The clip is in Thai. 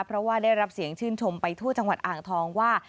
เพราะว่าได้รับเสียงชื่นชมไปทั่วจังหวัดอ่างทองว่า